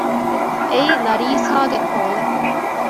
އެއީ ލަރީސާގެ ކޯލެއް